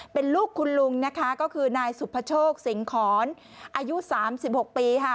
เป็นลูกคุณลุงนะคะก็คือนายสุภโชคสิงหอนอายุ๓๖ปีค่ะ